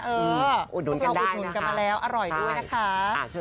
เออพวกเราอุดหนุนกันมาแล้วอร่อยด้วยนะคะ